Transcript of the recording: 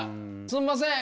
すんません。